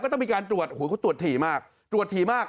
ต้องมีการตรวจโอ้โหเขาตรวจถี่มากตรวจถี่มาก